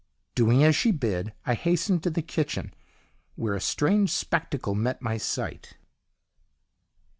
"Doing as she bid, I hastened to the kitchen, where a strange spectacle met my sight.